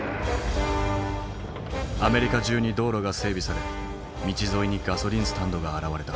アメリカ中に道路が整備され道沿いにガソリンスタンドが現れた。